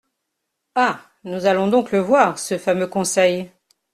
Ah ! nous allons donc le voir, ce fameux Conseil !".